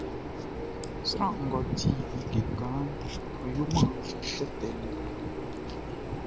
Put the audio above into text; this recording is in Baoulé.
Sran ngʼɔ di like kanʼn, ɔ yoman tɛtɛ le.